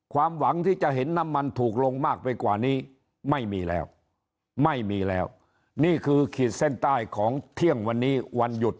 ความหวังที่จะเห็นน้ำมันถูกลงมากไปกว่านี้ไม่มีแล้ว